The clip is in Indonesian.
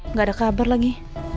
nggak ada kabar lagi